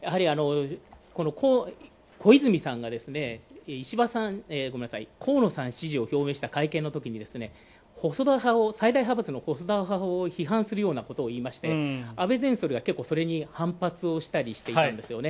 小泉さんが河野さん支持を表明した会見のときに最大派閥の細田派を批判するようなことを言いまして、安倍前総理はそれに反発したりしているんですよね。